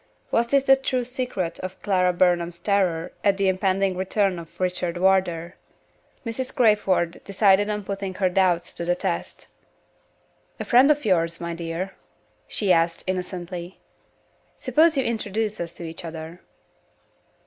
Was this the true secret of Clara Burnham's terror at the impending return of Richard Wardour? Mrs. Crayford decided on putting her doubts to the test. "A friend of yours, my dear?" she asked, innocently. "Suppose you introduce us to each other."